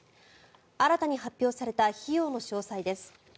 新たに発表された費用の詳細です。